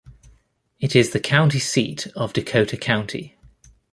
It is the county seat of Dakota County.